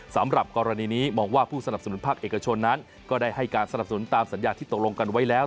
สำหรับกรณีนี้มองว่าผู้สนับสนุนภาคเอกชนนั้นก็ได้ให้การสนับสนุนตามสัญญาที่ตกลงกันไว้แล้ว